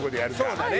そうだね。